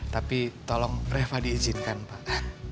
tapi tolong reva diizinkan pak